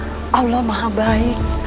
alhamdulillah allah maha baik